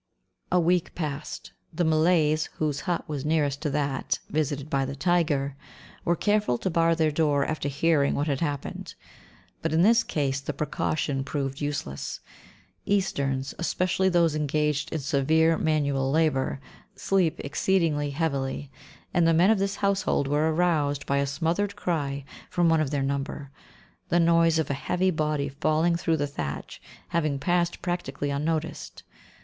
A week passed. The Malays, whose hut was nearest to that visited by the tiger, were careful to bar their door after hearing what had happened; but in this case the precaution proved useless. Easterns, especially those engaged in severe manual labour, sleep exceedingly heavily, and the men of this household were aroused by a smothered cry from one of their number; the noise of a heavy body falling through the thatch having passed practically unnoticed.